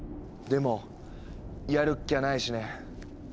でもやるっきゃないしね。